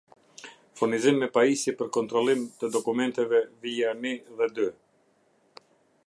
Furnizim Me Pajisje Për Kontrollim Të DokumenteveVija I dhe Ii